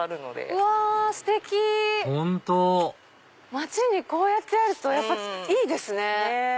街にこうやってあるとやっぱいいですね。